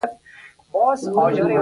بې شمېرې اوبو راوړې پیسې ورتلې.